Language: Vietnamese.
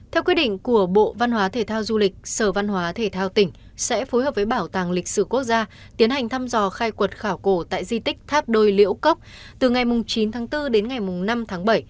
theo quyết định của bộ văn hóa thể thao du lịch sở văn hóa thể thao tỉnh sẽ phối hợp với bảo tàng lịch sử quốc gia tiến hành thăm dò khai quật khảo cổ tại di tích tháp đôi liễu cốc từ ngày chín tháng bốn đến ngày năm tháng bảy